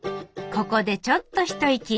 ここでちょっと一息。